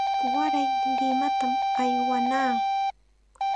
Waray Limatam aywanaa.